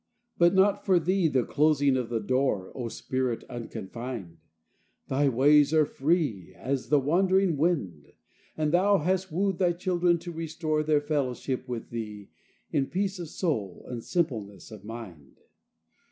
But not for thee the closing of the door, O Spirit unconfined! Thy ways are free As is the wandering wind, And thou hast wooed thy children, to restore Their fellowship with thee, In peace of soul and simpleness of mind.